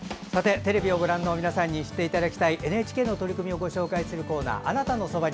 テレビをご覧の皆さんに知っていただきたいＮＨＫの取り組みをご紹介する「あなたのそばに」。